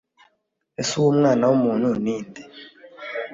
Ese uwo Mwana w'umuntu ni nde?»